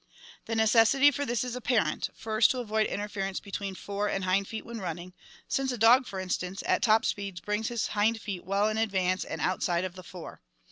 The necessity for this is apparent, first to avoid inter ference between fore and hind feet when running, since a dog, for instance, at top speed brings his hind feet well in advance and outside of the fore.